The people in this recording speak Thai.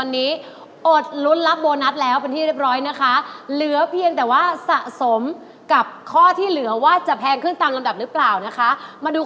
นิดเดียวเองนะครับ